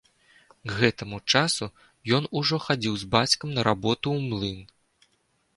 К гэтаму часу ён ужо хадзіў з бацькам на работу ў млын.